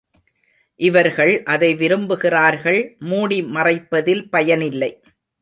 இவர்கள் அதை விரும்புகிறார்கள் மூடி மறைப்பதில் பயனில்லை.